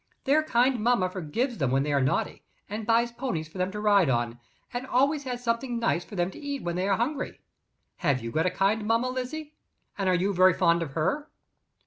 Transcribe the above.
Their kind mamma forgives them when they are naughty, and buys ponies for them to ride on, and always has something nice for them to eat when they are hungry. Have you got a kind mamma, Lizzie? And are you very fond of her?"